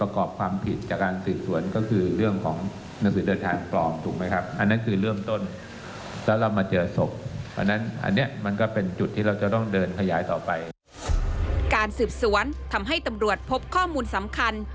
การสืบสวนทำให้ตำรวจพบข้อมูลสำคัญ